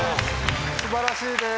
素晴らしいです。